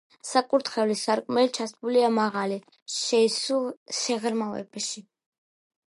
საკურთხევლის სარკმელი ჩასმულია მაღალი შეისრულ შეღრმავებაში.